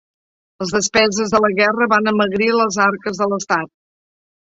Les despeses de la guerra van amagrir les arques de l'estat.